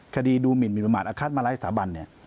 คดีดูหมินมิประมาทอาคารมารัยสถาบัน